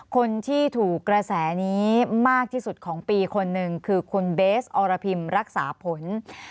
คนที่ถูกกระแสนี้มากที่สุดของปีคนหนึ่งคือคุณเบสอรพิมรักษาผล